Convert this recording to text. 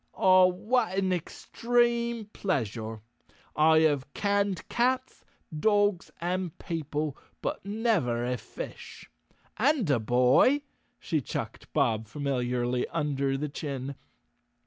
"Ah, what an extreme pleasure. I have canned cats, dogs and people, but never a fish. And a boy," she chucked Bob familiarly under the chin.